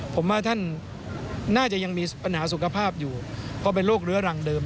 ผมว่าท่านน่าจะยังมีปัญหาสุขภาพอยู่เพราะเป็นโรคเรื้อรังเดิม